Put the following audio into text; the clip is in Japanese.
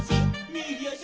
「みぎあし」